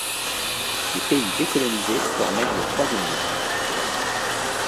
Ces pays décolonisés formèrent le troisième bloc.